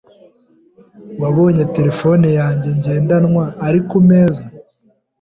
"Wabonye telefone yanjye ngendanwa?" "Ari ku meza."